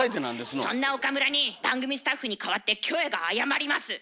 そんな岡村に番組スタッフに代わってキョエが謝ります。